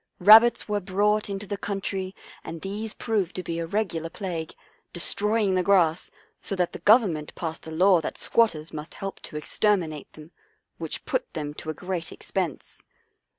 Rabbits were brought into the coun try, and these proved to be a regular plague, destroying the grass, so that the Government passed a law that squatters must help to exter minate them, which put them to a great expense.